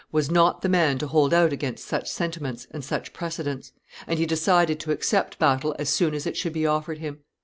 was not the man to hold out against such sentiments and such precedents; and he decided to accept battle as soon as it should be offered him.